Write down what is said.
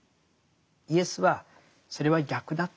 イエスはそれは逆だって。